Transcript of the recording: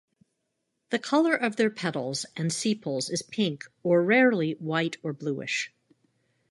The color of their petals and sepals is pink or rarely white or bluish.